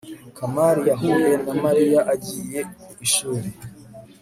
kamari yahuye na mariya agiye ku ishuri